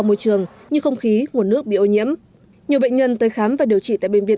môi trường như không khí nguồn nước bị ô nhiễm nhiều bệnh nhân tới khám và điều trị tại bệnh viện